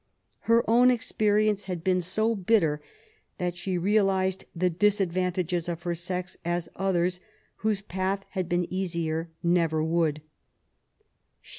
Her own experience had been so bitter that she realized the disadvantages of her sex as others, whose path had been easier, never could. She